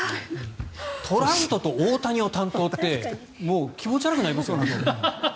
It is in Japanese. トラウトと大谷を担当ってもう気持ち悪くなりますよね。